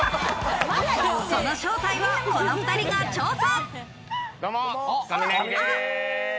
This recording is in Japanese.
その正体をこの２人が調査。